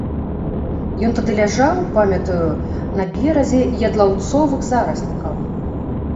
Ён тады ляжаў, памятаю, на беразе ядлаўцовых зараснікаў.